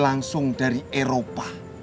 langsung dari eropa